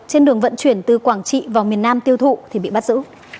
trên đường vận chuyển từ quảng trị vào miền nam tiêu thụ thì bị bắt giữ